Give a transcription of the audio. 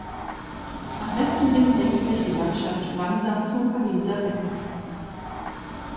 Nach Westen hin senkt sich die Landschaft langsam zum Pariser Becken.